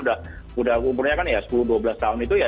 udah umurnya kan ya sepuluh dua belas tahun itu ya